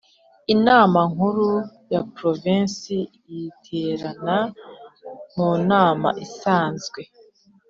Inama nkuru ya provensi iterana mu nama isanzwe